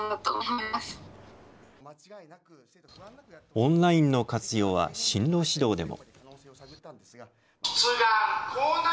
オンラインの活用は進路指導でも。